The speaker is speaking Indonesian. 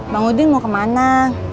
bang udin mau kemana